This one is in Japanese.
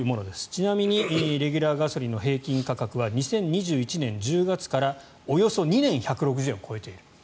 ちなみにレギュラーガソリンの平均価格は２０２１年１０月からおよそ２年１６０円を超えている。